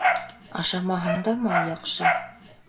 Ашамаһаң да май яҡшы